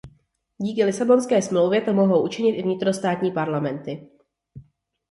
Díky Lisabonské smlouvě to mohou učinit i vnitrostátní parlamenty.